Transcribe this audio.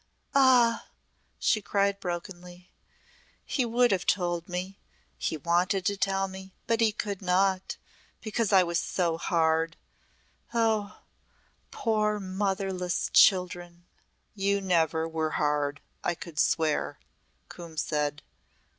"Ah!" she cried brokenly. "He would have told me he wanted to tell me but he could not because I was so hard! Oh! poor motherless children!" "You never were hard, I could swear," Coombe said.